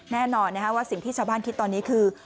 แน่นอนว่าสิ่งที่ชาวบ้านคิดตอนนี้คือ